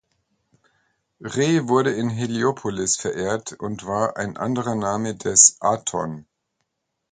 Re wurde in Heliopolis verehrt und war ein anderer Name des Aton.